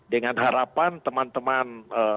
dengan harapan teman teman